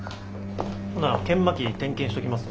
ほな研磨機点検しときますわ。